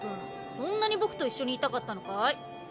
そんなに僕と一緒にいたかったのかい？